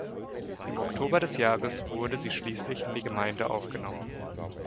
Im Oktober des Jahres wurde sie schließlich in die Gemeinde aufgenommen.